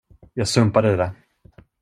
Jag sumpade det.